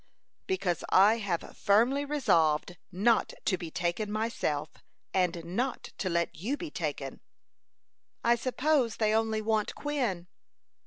"Because I have firmly resolved not to be taken myself, and not to let you be taken." "I suppose they only want Quin."